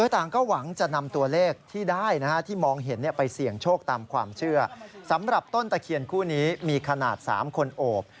ทำมาหาก๓คนอบ